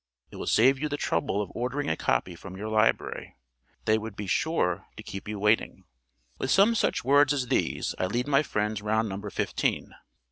It will save you the trouble of ordering a copy from your library; they would be sure to keep you waiting.... With some such words as these I lead my friends round Number Fifteen.